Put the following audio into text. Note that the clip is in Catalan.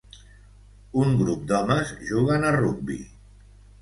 Un grup d'homes juguen a rugbi.